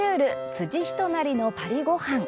辻仁成のパリごはん」。